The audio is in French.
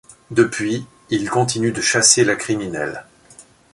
Depuis, il continue de chasser la criminelle.